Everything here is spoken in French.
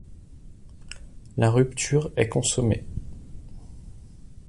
La rupture est consommée.